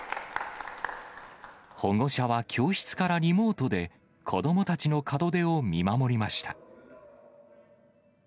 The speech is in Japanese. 保護者は教室からリモートで子どもたちの門出を見守りました。